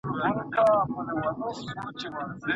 که د بایسکل ځغلولو لاري جوړې سي، نو بایسکل چلوونکي نه ټکر کیږي.